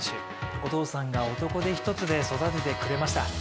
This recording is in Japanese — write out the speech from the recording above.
お父さんが男手一つで育ててくれました。